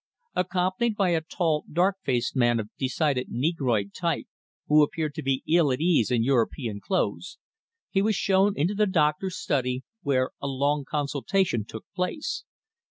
Accompanied by a tall, dark faced man of decided negroid type who appeared to be ill at ease in European clothes, he was shown into the Doctor's study, where a long consultation took place.